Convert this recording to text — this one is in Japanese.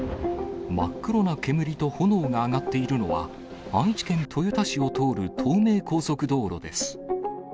真っ黒な煙と炎が上がっているのは、愛知県豊田市を通る東名高速道路です。